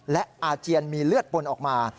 และอาเจียนมีเลือดปนออกมา